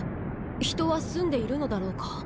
人は住んでいるのだろうか。